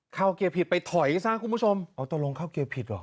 เข้าเกียร์ผิดไปถอยกันส้างคุณผู้ชมเอาตัวลงเข้าเกียร์ผิดเหรอ